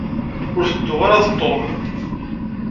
Ur tedduɣ ara d Tom.